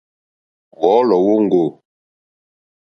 Wɔ̌lɔ̀ wóŋɡô.